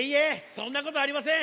そんなことありません。